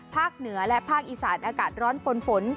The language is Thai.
เหนือและภาคอีสานอากาศร้อนปนฝน